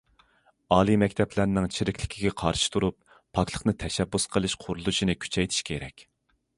ئالىي مەكتەپلەرنىڭ چىرىكلىككە قارشى تۇرۇپ، پاكلىقنى تەشەببۇس قىلىش قۇرۇلۇشىنى كۈچەيتىش كېرەك.